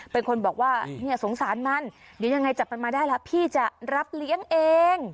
เป็นคนบอกว่าเนี่ยสงสารมันเดี๋ยวยังไงจับมันมาได้แล้วพี่จะรับเลี้ยงเอง